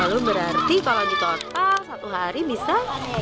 lalu berarti kalau ditotal satu hari bisa